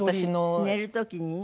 寝る時にね